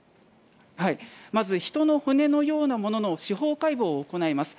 まず、人の骨のようなものの司法解剖を行います。